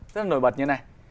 rất là nổi bật như thế này